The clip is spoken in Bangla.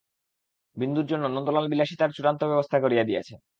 বিন্দুর জন্য নন্দলাল বিলাসিতার চূড়ান্ত ব্যবস্থা করিয়া দিয়াছে।